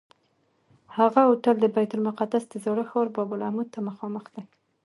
هغه هوټل د بیت المقدس د زاړه ښار باب العمود ته مخامخ دی.